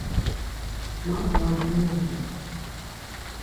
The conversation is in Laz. Ma var gomindunu.